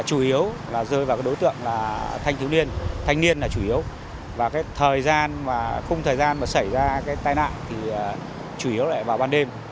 chủ yếu là rơi vào đối tượng là thanh niên là chủ yếu và không thời gian mà xảy ra cái tai nạn thì chủ yếu lại vào ban đêm